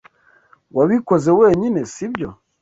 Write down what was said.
Wabikoze wenyine, sibyo?